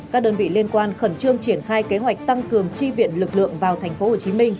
các đơn vị liên quan khẩn trương triển khai kế hoạch tăng cường chi viện lực lượng vào tp hcm